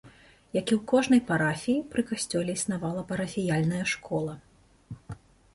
Як і ў кожнай парафіі, пры касцёле існавала парафіяльная школа.